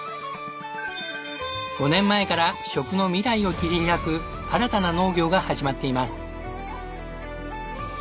５年前から食の未来を切り開く新たな農業が始まっています。